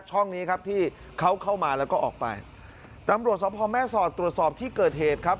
ช่องนี้ครับที่เขาเข้ามาแล้วก็ออกไปตำรวจสภแม่สอดตรวจสอบที่เกิดเหตุครับ